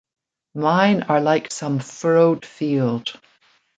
Mine are like some furrowed field.